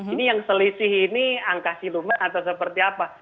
ini yang selisih ini angka siluman atau seperti apa